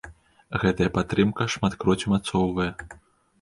Гэтая падтрымка шматкроць умацоўвае.